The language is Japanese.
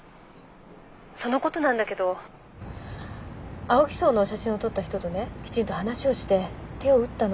そのことなんだけど青木荘の写真を撮った人とねきちんと話をして手を打ったの。